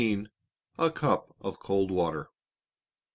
A CUP OF COLD WATER.